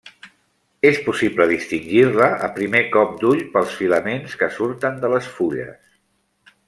És possible distingir-la a primer cop d'ull pels filaments que surten de les fulles.